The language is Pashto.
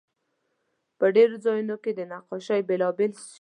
په ډېرو ځایونو کې د نقاشۍ بېلابېل سیوري لیدل کېدل.